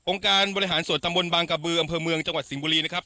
การบริหารส่วนตำบลบางกระบืออำเภอเมืองจังหวัดสิงห์บุรีนะครับ